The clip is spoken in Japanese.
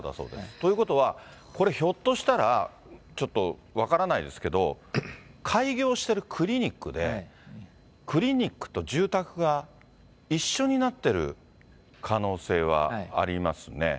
ということは、これ、ひょっとしたら、ちょっと、分からないですけど、開業してるクリニックで、クリニックと住宅が一緒になってる可能性はありますね。